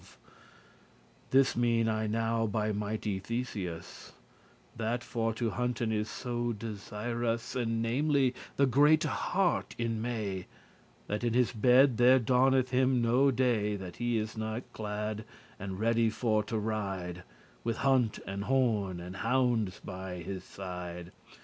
*eye, intelligence, power This mean I now by mighty Theseus, That for to hunten is so desirous — And namely* the greate hart in May — *especially That in his bed there dawneth him no day That he n'is clad, and ready for to ride With hunt and horn, and houndes him beside.